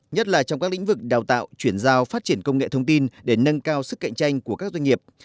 nhất là trong các lĩnh vực đào tạo chuyển giao phát triển công nghệ thông tin để nâng cao sức cạnh tranh của các doanh nghiệp